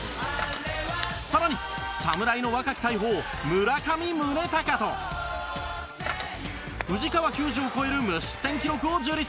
更に侍の若き大砲、村上宗隆と藤川球児を超える無失点記録を樹立。